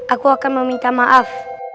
aku akan meminta maaf